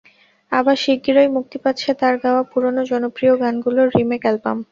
আবার শিগগিরই মুক্তি পাচ্ছে তাঁর গাওয়া পুরোনো জনপ্রিয় গানগুলোর রিমেক অ্যালবাম।